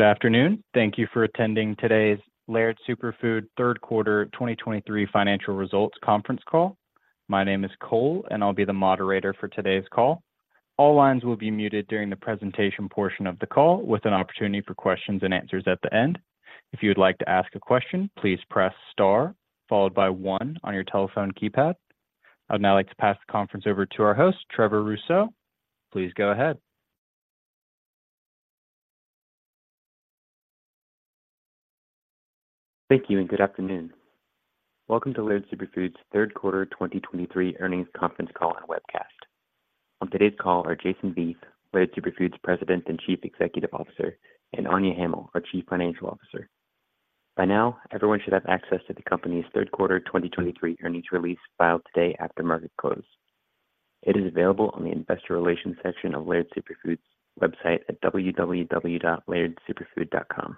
Good afternoon. Thank you for attending today's Laird Superfood third quarter 2023 financial results conference call. My name is Cole, and I'll be the moderator for today's call. All lines will be muted during the presentation portion of the call, with an opportunity for questions and answers at the end. If you would like to ask a question, please press star, followed by one on your telephone keypad. I'd now like to pass the conference over to our host, Trevor Rousseau. Please go ahead. Thank you, and good afternoon. Welcome to Laird Superfood's third quarter 2023 earnings conference call and webcast. On today's call are Jason Vieth, Laird Superfood's President and Chief Executive Officer, and Anya Hamill, our Chief Financial Officer. By now, everyone should have access to the company's third quarter 2023 earnings release filed today after market close. It is available on the investor relations section of Laird Superfood's website at www.lairdsuperfood.com.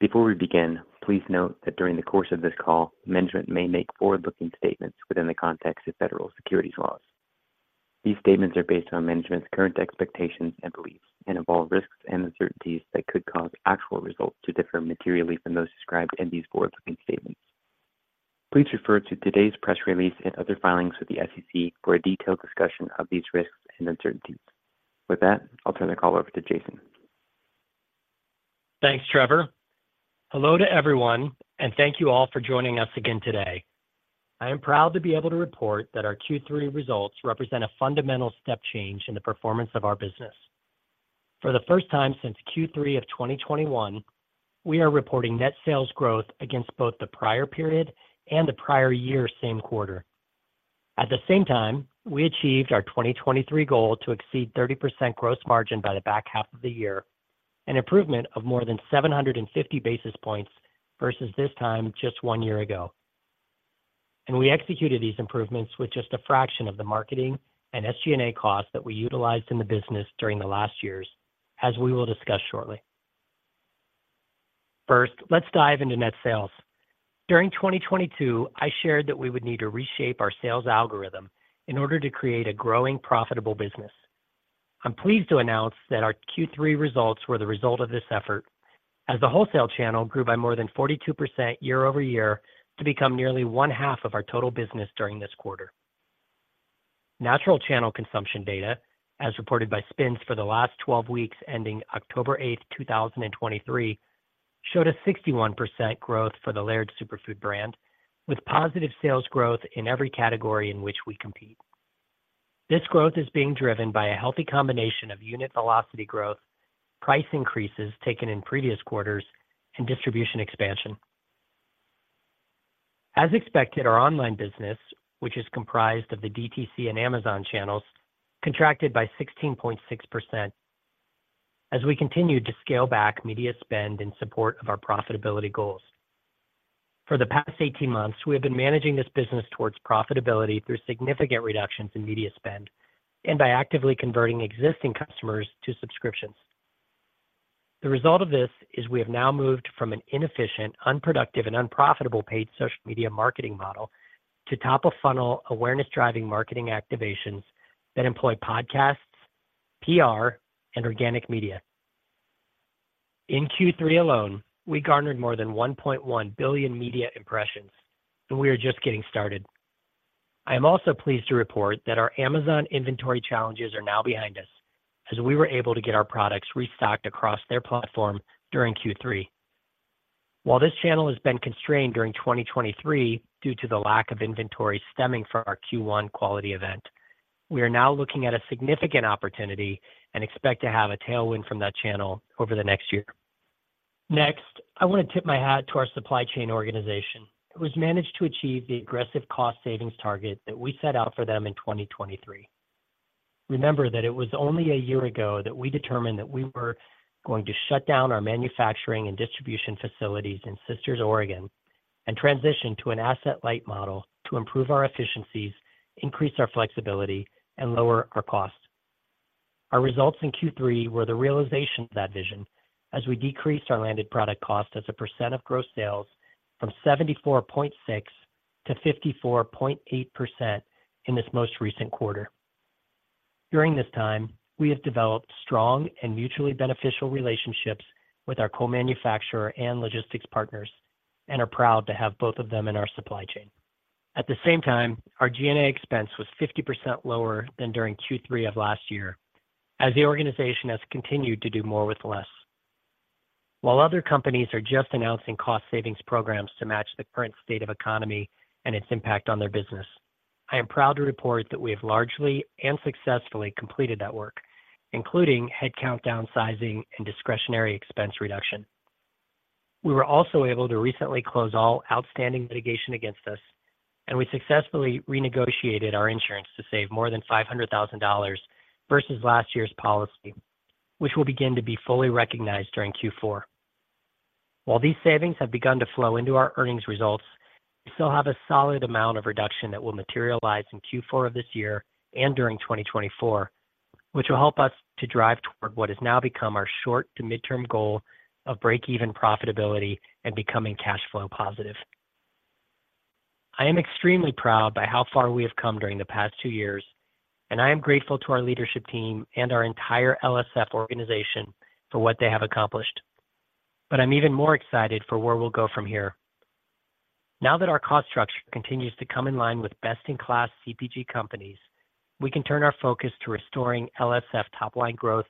Before we begin, please note that during the course of this call, management may make forward-looking statements within the context of federal securities laws. These statements are based on management's current expectations and beliefs, and involve risks and uncertainties that could cause actual results to differ materially from those described in these forward-looking statements. Please refer to today's press release and other filings with the SEC for a detailed discussion of these risks and uncertainties. With that, I'll turn the call over to Jason. Thanks, Trevor. Hello to everyone, and thank you all for joining us again today. I am proud to be able to report that our Q3 results represent a fundamental step change in the performance of our business. For the first time since Q3 of 2021, we are reporting net sales growth against both the prior period and the prior year same quarter. At the same time, we achieved our 2023 goal to exceed 30% gross margin by the back half of the year, an improvement of more than 750 basis points versus this time just one year ago. We executed these improvements with just a fraction of the marketing and SG&A costs that we utilized in the business during the last years, as we will discuss shortly. First, let's dive into net sales. During 2022, I shared that we would need to reshape our sales algorithm in order to create a growing, profitable business. I'm pleased to announce that our Q3 results were the result of this effort, as the wholesale channel grew by more than 42% year-over-year to become nearly one-half of our total business during this quarter. Natural channel consumption data, as reported by SPINS for the last 12 weeks, ending October 8, 2023, showed a 61% growth for the Laird Superfood brand, with positive sales growth in every category in which we compete. This growth is being driven by a healthy combination of unit velocity growth, price increases taken in previous quarters, and distribution expansion. As expected, our online business, which is comprised of the DTC and Amazon channels, contracted by 16.6% as we continued to scale back media spend in support of our profitability goals. For the past 18 months, we have been managing this business toward profitability through significant reductions in media spend and by actively converting existing customers to subscriptions. The result of this is we have now moved from an inefficient, unproductive, and unprofitable paid social media marketing model to top-of-funnel awareness-driving marketing activations that employ podcasts, PR, and organic media. In Q3 alone, we garnered more than 1.1 billion media impressions, and we are just getting started. I am also pleased to report that our Amazon inventory challenges are now behind us as we were able to get our products restocked across their platform during Q3. While this channel has been constrained during 2023 due to the lack of inventory stemming from our Q1 quality event, we are now looking at a significant opportunity and expect to have a tailwind from that channel over the next year. Next, I want to tip my hat to our supply chain organization, which managed to achieve the aggressive cost savings target that we set out for them in 2023. Remember that it was only a year ago that we determined that we were going to shut down our manufacturing and distribution facilities in Sisters, Oregon, and transition to an asset-light model to improve our efficiencies, increase our flexibility, and lower our costs. Our results in Q3 were the realization of that vision as we decreased our landed product cost as a percent of gross sales from 74.6% to 54.8% in this most recent quarter. During this time, we have developed strong and mutually beneficial relationships with our co-manufacturer and logistics partners and are proud to have both of them in our supply chain. At the same time, our G&A expense was 50% lower than during Q3 of last year, as the organization has continued to do more with less. While other companies are just announcing cost savings programs to match the current state of economy and its impact on their business, I am proud to report that we have largely and successfully completed that work, including headcount downsizing and discretionary expense reduction. We were also able to recently close all outstanding litigation against us, and we successfully renegotiated our insurance to save more than $500,000 versus last year's policy, which will begin to be fully recognized during Q4. While these savings have begun to flow into our earnings results, we still have a solid amount of reduction that will materialize in Q4 of this year and during 2024, which will help us to drive toward what has now become our short to midterm goal of break-even profitability and becoming cash flow positive. I am extremely proud by how far we have come during the past two years, and I am grateful to our leadership team and our entire LSF organization for what they have accomplished. But I'm even more excited for where we'll go from here. Now that our cost structure continues to come in line with best-in-class CPG companies, we can turn our focus to restoring LSF top-line growth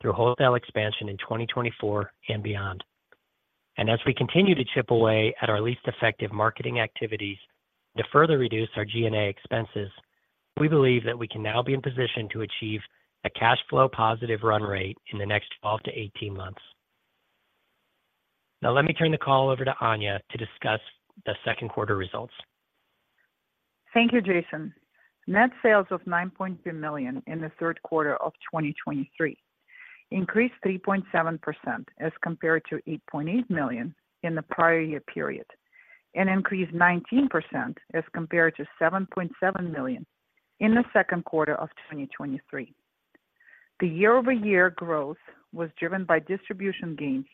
through wholesale expansion in 2024 and beyond. And as we continue to chip away at our least effective marketing activities to further reduce our G&A expenses, we believe that we can now be in position to achieve a cash flow positive run rate in the next 12-18 months. Now, let me turn the call over to Anya to discuss the second quarter results. Thank you, Jason. Net sales of $9.3 million in the third quarter of 2023 increased 3.7% as compared to $8.8 million in the prior year period, and increased 19% as compared to $7.7 million in the second quarter of 2023. The year-over-year growth was driven by distribution gains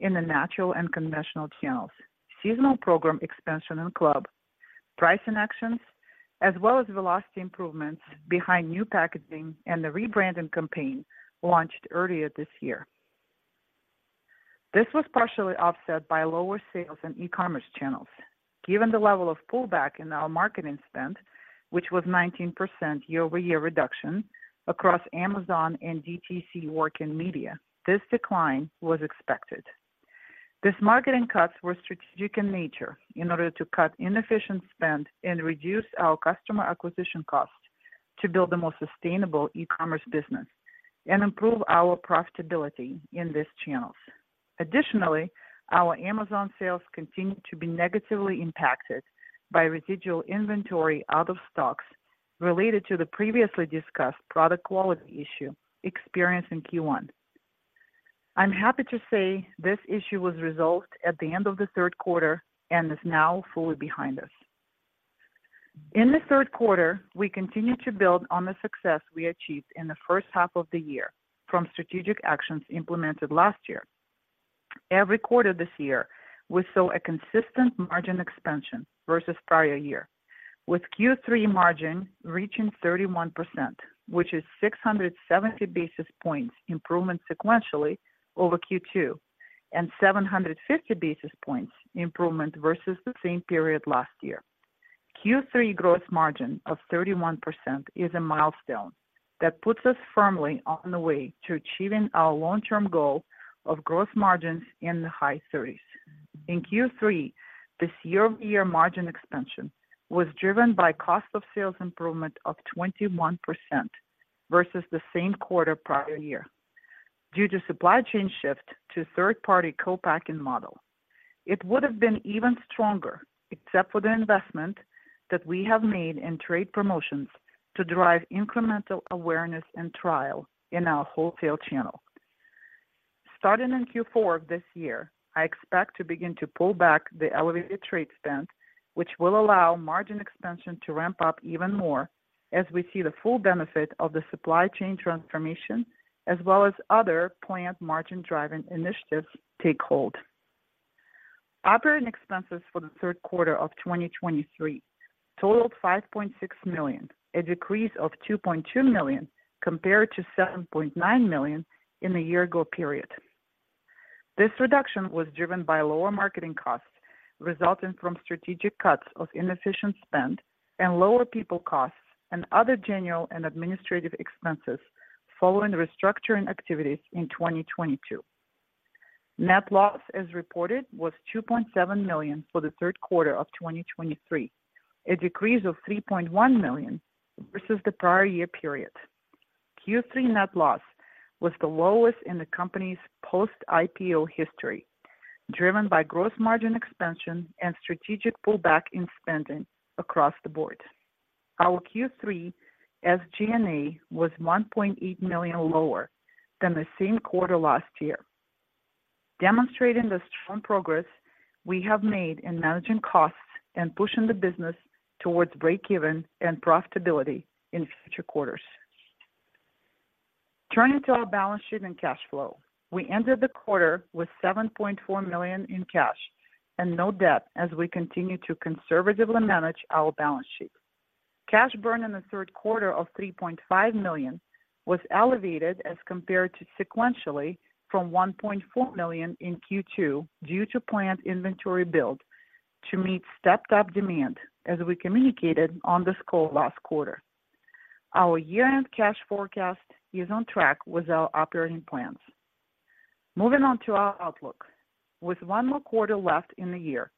in the natural and conventional channels, seasonal program expansion and club, pricing actions, as well as velocity improvements behind new packaging and the rebranding campaign launched earlier this year. This was partially offset by lower sales in e-commerce channels. Given the level of pullback in our marketing spend, which was 19% year-over-year reduction across Amazon and DTC work and media, this decline was expected. These marketing cuts were strategic in nature in order to cut inefficient spend and reduce our customer acquisition costs to build a more sustainable e-commerce business and improve our profitability in these channels. Additionally, our Amazon sales continued to be negatively impacted by residual inventory out of stocks related to the previously discussed product quality issue experienced in Q1. I'm happy to say this issue was resolved at the end of the third quarter and is now fully behind us. In the third quarter, we continued to build on the success we achieved in the first half of the year from strategic actions implemented last year. Every quarter this year, we saw a consistent margin expansion versus prior year, with Q3 margin reaching 31%, which is 670 basis points improvement sequentially over Q2, and 750 basis points improvement versus the same period last year. Q3 gross margin of 31% is a milestone that puts us firmly on the way to achieving our long-term goal of gross margins in the high 30s. In Q3, this year-over-year margin expansion was driven by cost of sales improvement of 21% versus the same quarter prior year due to supply chain shift to third-party co-packing model. It would have been even stronger, except for the investment that we have made in trade promotions to drive incremental awareness and trial in our wholesale channel. Starting in Q4 of this year, I expect to begin to pull back the elevated trade spend, which will allow margin expansion to ramp up even more as we see the full benefit of the supply chain transformation, as well as other planned margin-driving initiatives take hold. Operating expenses for the third quarter of 2023 totaled $5.6 million, a decrease of $2.2 million compared to $7.9 million in the year ago period. This reduction was driven by lower marketing costs resulting from strategic cuts of inefficient spend and lower people costs and other general and administrative expenses following the restructuring activities in 2022. Net loss, as reported, was $2.7 million for the third quarter of 2023, a decrease of $3.1 million versus the prior year period. Q3 net loss was the lowest in the company's post-IPO history, driven by gross margin expansion and strategic pullback in spending across the board. Our Q3 SG&A was $1.8 million lower than the same quarter last year, demonstrating the strong progress we have made in managing costs and pushing the business towards breakeven and profitability in future quarters. Turning to our balance sheet and cash flow, we ended the quarter with $7.4 million in cash and no debt as we continue to conservatively manage our balance sheet. Cash burn in the third quarter of $3.5 million was elevated as compared to sequentially from $1.4 million in Q2 due to planned inventory build to meet stepped up demand, as we communicated on this call last quarter. Our year-end cash forecast is on track with our operating plans. Moving on to our outlook. With 1 more quarter left in the year,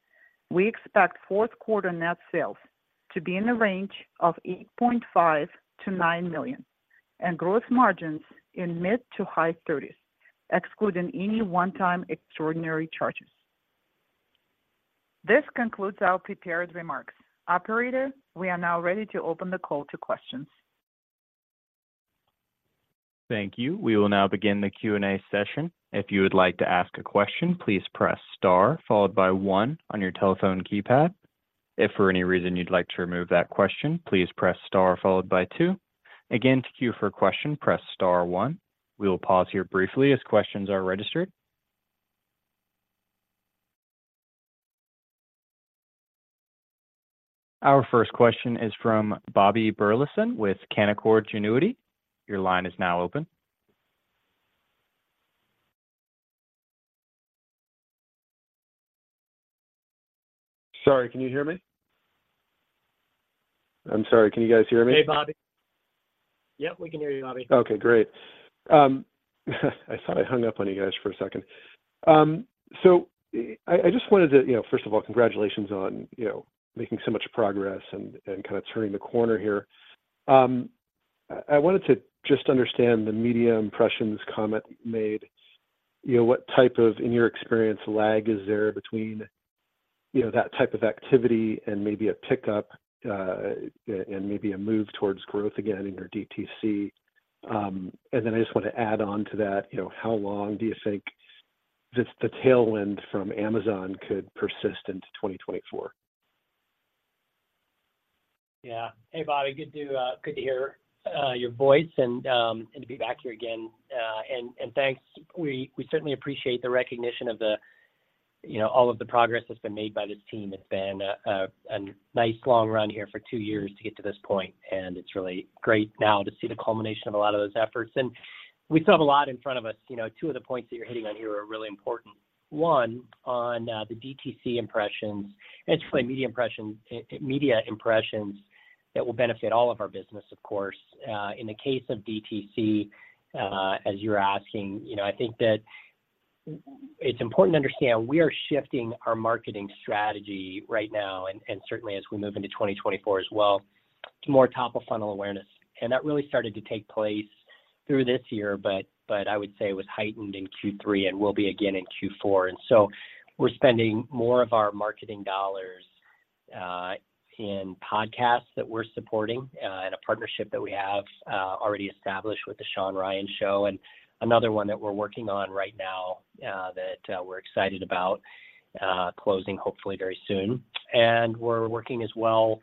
we expect fourth quarter net sales to be in the range of $8.5 million-$9 million, and growth margins in mid- to high 30s%, excluding any one-time extraordinary charges. This concludes our prepared remarks. Operator, we are now ready to open the call to questions. Thank you. We will now begin the Q&A session. If you would like to ask a question, please press Star followed by one on your telephone keypad. If for any reason you'd like to remove that question, please press star followed by two. Again, to queue for a question, press star one. We will pause here briefly as questions are registered. Our first question is from Bobby Burleson with Canaccord Genuity. Your line is now open. Sorry, can you hear me? I'm sorry, can you guys hear me? Hey, Bobby. Yep, we can hear you, Bobby. Okay, great. I thought I hung up on you guys for a second. So I just wanted to— You know, first of all, congratulations on, you know, making so much progress and kinda turning the corner here. I wanted to just understand the media impressions comment you made. You know, what type of, in your experience, lag is there between, you know, that type of activity and maybe a pickup and maybe a move towards growth again in your DTC? And then I just want to add on to that, you know, how long do you think this, the tailwind from Amazon could persist into 2024? Yeah. Hey, Bobby, good to hear your voice and to be back here again. And thanks. We certainly appreciate the recognition of, you know, all of the progress that's been made by this team. It's been a nice long run here for two years to get to this point, and it's really great now to see the culmination of a lot of those efforts, and we still have a lot in front of us. You know, two of the points that you're hitting on here are really important. One, on the DTC impressions. And it's really media impression, media impressions that will benefit all of our business, of course. In the case of DTC, as you're asking, you know, I think that it's important to understand we are shifting our marketing strategy right now, and certainly as we move into 2024 as well, to more top-of-funnel awareness. And that really started to take place through this year, but I would say it was heightened in Q3 and will be again in Q4. And so we're spending more of our marketing dollars in podcasts that we're supporting, and a partnership that we have already established with the Shawn Ryan Show and another one that we're working on right now, that we're excited about closing, hopefully very soon. We're working as well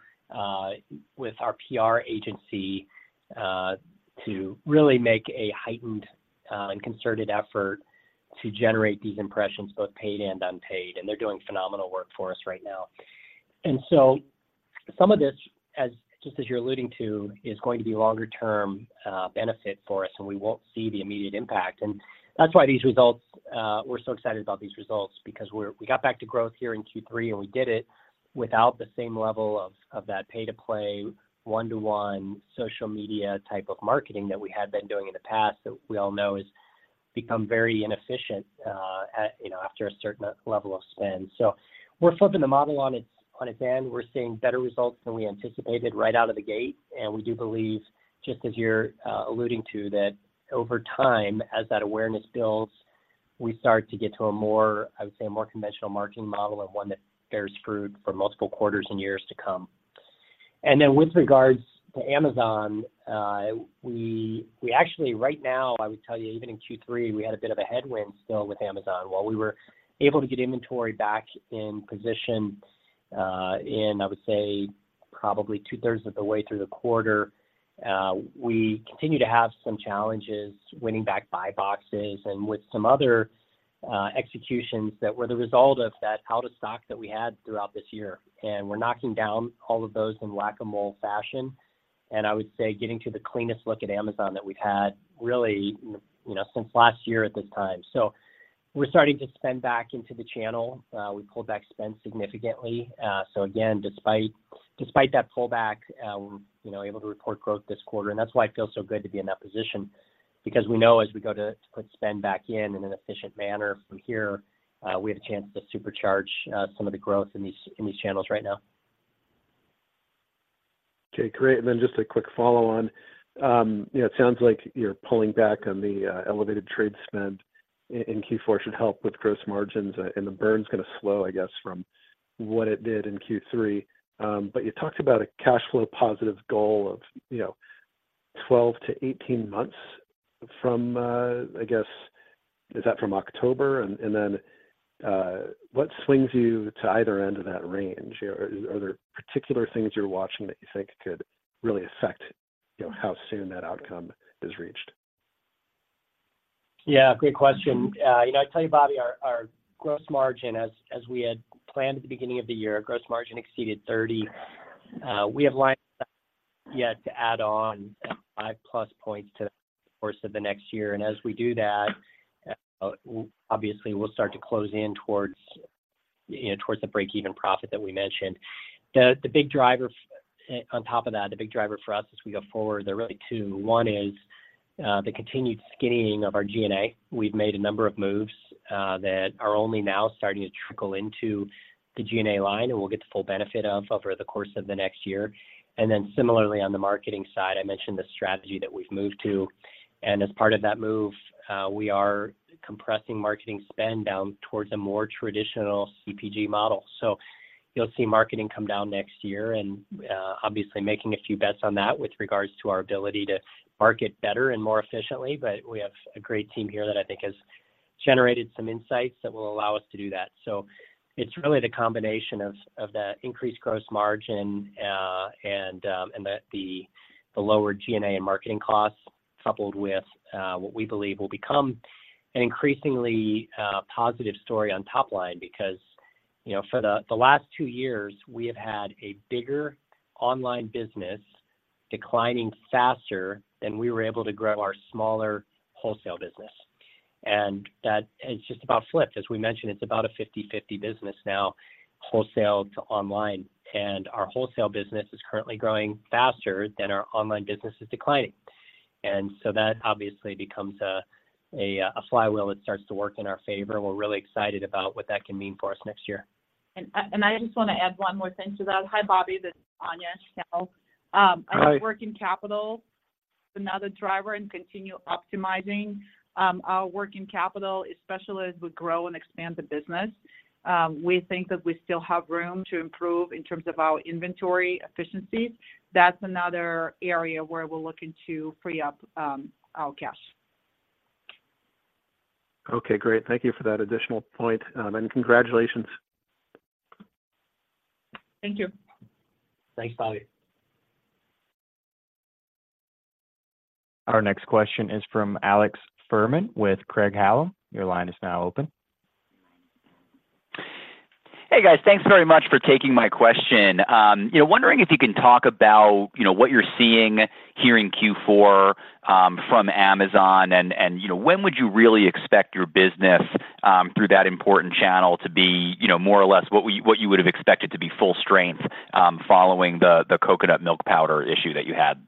with our PR agency to really make a heightened and concerted effort to generate these impressions, both paid and unpaid, and they're doing phenomenal work for us right now. So some of this, as just you're alluding to, is going to be longer term benefit for us, and we won't see the immediate impact. That's why these results. We're so excited about these results because we got back to growth here in Q3, and we did it without the same level of that pay-to-play, one-to-one social media type of marketing that we had been doing in the past, that we all know has become very inefficient at, you know, after a certain level of spend. So we're flipping the model on its end. We're seeing better results than we anticipated right out of the gate, and we do believe, just as you're alluding to, that over time, as that awareness builds, we start to get to a more, I would say, a more conventional marketing model and one that bears fruit for multiple quarters and years to come. And then with regards to Amazon, we actually right now, I would tell you, even in Q3, we had a bit of a headwind still with Amazon. While we were able to get inventory back in position, in, I would say, probably two-thirds of the way through the quarter, we continue to have some challenges winning back buy boxes and with some other executions that were the result of that out of stock that we had throughout this year. We're knocking down all of those in whack-a-mole fashion, and I would say getting to the cleanest look at Amazon that we've had really, you know, since last year at this time. We're starting to spend back into the channel. We pulled back spend significantly. So again, despite that pullback, we're, you know, able to report growth this quarter, and that's why it feels so good to be in that position because we know as we go to put spend back in in an efficient manner from here, we have a chance to supercharge some of the growth in these channels right now. Okay, great. And then just a quick follow-on. You know, it sounds like you're pulling back on the elevated trade spend in Q4 should help with gross margins, and the burn's gonna slow, I guess, from what it did in Q3. But you talked about a cash flow positive goal of, you know, 12-18 months from, I guess, is that from October? And then, what swings you to either end of that range? Or are there particular things you're watching that you think could really affect, you know, how soon that outcome is reached? Yeah, great question. You know, I tell you, Bobby, our gross margin, as we had planned at the beginning of the year, gross margin exceeded 30%. We have lined up yet to add on 5+ points to the course of the next year. And as we do that, obviously, we'll start to close in towards, you know, towards the break-even profit that we mentioned. The big driver, on top of that, the big driver for us as we go forward, there are really two. One is the continued skinning of our G&A. We've made a number of moves that are only now starting to trickle into the G&A line, and we'll get the full benefit of over the course of the next year. And then similarly, on the marketing side, I mentioned the strategy that we've moved to, and as part of that move, we are compressing marketing spend down towards a more traditional CPG model. So you'll see marketing come down next year and, obviously making a few bets on that with regards to our ability to market better and more efficiently. But we have a great team here that I think has generated some insights that will allow us to do that. So it's really the combination of the increased gross margin, and the lower G&A and marketing costs, coupled with what we believe will become an increasingly positive story on top line, because, you know, for the last two years, we have had a bigger online business declining faster than we were able to grow our smaller wholesale business. That has just about flipped. As we mentioned, it's about a 50/50 business now, wholesale to online, and our wholesale business is currently growing faster than our online business is declining. So that obviously becomes a flywheel that starts to work in our favor. We're really excited about what that can mean for us next year. And I just wanna add one more thing to that. Hi, Bobby, this is Anya Hamill. Hi. Our working capital, another driver and continue optimizing, our working capital, especially as we grow and expand the business. We think that we still have room to improve in terms of our inventory efficiency. That's another area where we're looking to free up, our cash. Okay, great. Thank you for that additional point. And congratulations. Thank you. Thanks, Bobby. Our next question is from Alex Fuhrman with Craig-Hallum. Your line is now open. Hey, guys. Thanks very much for taking my question. Yeah, wondering if you can talk about, you know, what you're seeing here in Q4, from Amazon, and, you know, when would you really expect your business, through that important channel to be, you know, more or less what you would have expected to be full strength, following the coconut milk powder issue that you had?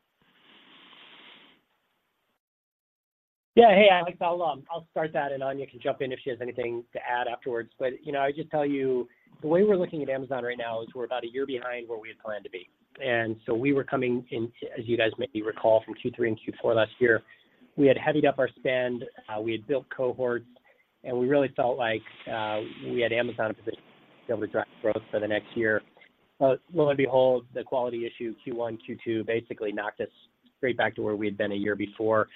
Yeah. Hey, Alex, I'll start that, and Anya can jump in if she has anything to add afterwards. But, you know, I just tell you, the way we're looking at Amazon right now is we're about a year behind where we had planned to be. And so we were coming into, as you guys maybe recall from Q3 and Q4 last year, we had heavied up our spend, we had built cohorts, and we really felt like we had Amazon in position to drive growth for the next year. But lo and behold, the quality issue, Q1, Q2, basically knocked us straight back to where we had been a year before.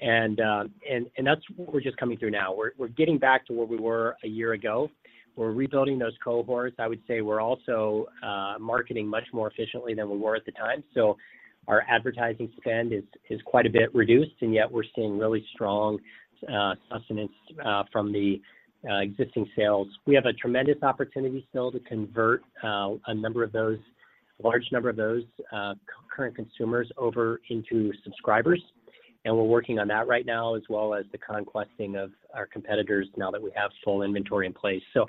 And that's what we're just coming through now. We're getting back to where we were a year ago. We're rebuilding those cohorts. I would say we're also marketing much more efficiently than we were at the time. So our advertising spend is quite a bit reduced, and yet we're seeing really strong sustained from the existing sales. We have a tremendous opportunity still to convert a large number of those concurrent consumers over into subscribers, and we're working on that right now, as well as the conquesting of our competitors now that we have full inventory in place. So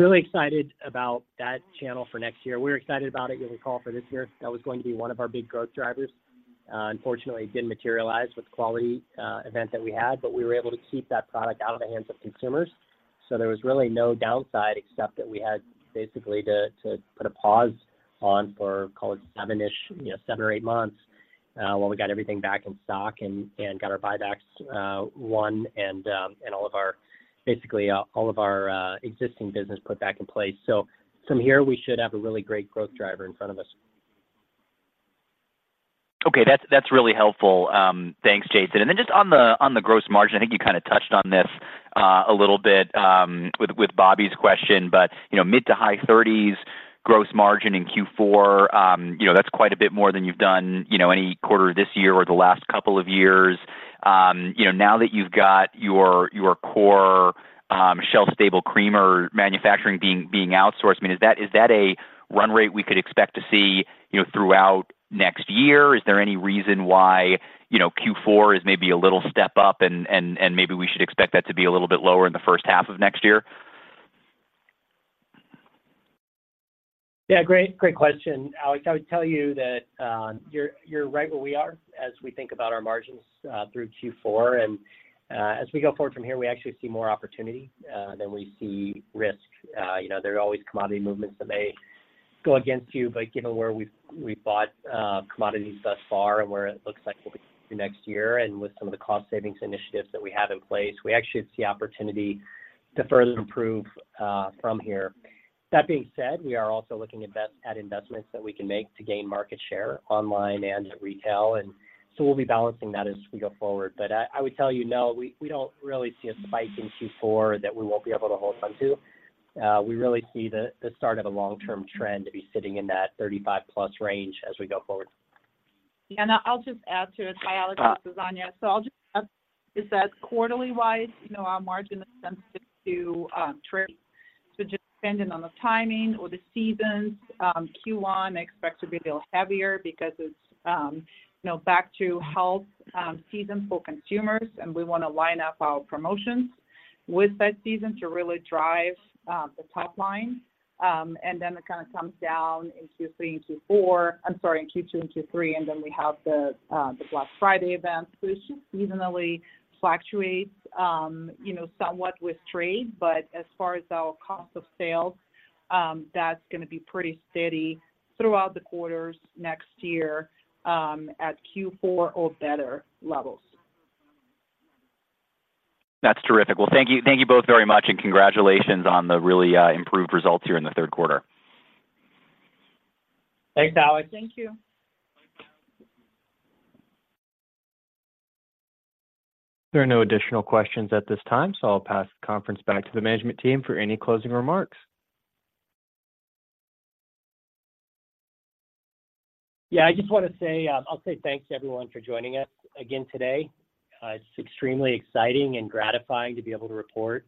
really excited about that channel for next year. We're excited about it. You'll recall for this year, that was going to be one of our big growth drivers. Unfortunately, it didn't materialize with the quality event that we had, but we were able to keep that product out of the hands of consumers. So there was really no downside, except that we had basically to put a pause on for call it 7-ish, you know, 7 or 8 months, while we got everything back in stock and got our buy box won, and basically all of our existing business put back in place. So from here, we should have a really great growth driver in front of us. Okay, that's, that's really helpful. Thanks, Jason. And then just on the gross margin, I think you kinda touched on this a little bit with Bobby's question, but, you know, mid- to high-30s gross margin in Q4, you know, that's quite a bit more than you've done, you know, any quarter this year or the last couple of years. You know, now that you've got your core shelf stable creamer manufacturing being outsourced, I mean, is that a run rate we could expect to see, you know, throughout next year? Is there any reason why, you know, Q4 is maybe a little step up, and maybe we should expect that to be a little bit lower in the first half of next year? Yeah, great, great question, Alex. I would tell you that, you're, you're right where we are as we think about our margins through Q4, and as we go forward from here, we actually see more opportunity than we see risk. You know, there are always commodity movements that may go against you, but given where we've, we've bought commodities thus far and where it looks like we'll be next year, and with some of the cost savings initiatives that we have in place, we actually see opportunity to further improve from here. That being said, we are also looking at investments that we can make to gain market share online and retail, and so we'll be balancing that as we go forward. I would tell you, no, we don't really see a spike in Q4 that we won't be able to hold on to. We really see the start of a long-term trend to be sitting in that 35+ range as we go forward. I'll just add to it. Hi, Alex. Ah. This is Anya. So I'll just add, is that quarterly-wise, you know, our margin is sensitive to, trade. So just depending on the timing or the seasons, Q1, I expect to be a little heavier because it's, you know, back to health, season for consumers, and we wanna line up our promotions with that season to really drive, the top line. And then it kind of comes down in Q3 and Q4, I'm sorry, in Q2 and Q3, and then we have the, the Black Friday event, which just seasonally fluctuates, you know, somewhat with trade, but as far as our cost of sales, that's gonna be pretty steady throughout the quarters next year, at Q4 or better levels. That's terrific. Well, thank you, thank you both very much, and congratulations on the really improved results here in the third quarter. Thanks, Alex. Thank you. There are no additional questions at this time, so I'll pass the conference back to the management team for any closing remarks. Yeah, I just wanna say, I'll say thanks to everyone for joining us again today. It's extremely exciting and gratifying to be able to report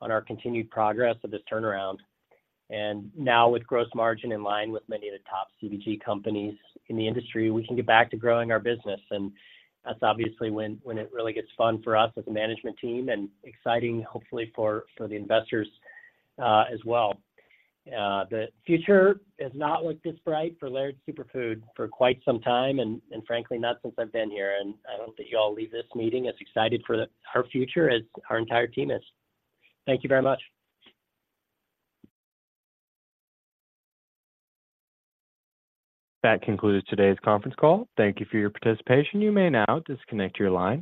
on our continued progress of this turnaround. And now with gross margin in line with many of the top CPG companies in the industry, we can get back to growing our business, and that's obviously when it really gets fun for us as a management team and exciting, hopefully for the investors, as well. The future has not looked this bright for Laird Superfood for quite some time, and frankly, not since I've been here, and I hope that you all leave this meeting as excited for our future as our entire team is. Thank you very much. That concludes today's conference call. Thank you for your participation. You may now disconnect your line.